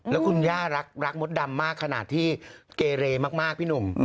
แล้วคุณย่ารักมดดำมากขนาดที่เกเรมากพี่หนุ่ม